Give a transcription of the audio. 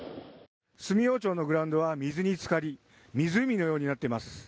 住用町のグラウンドは水につかり湖のようになっています。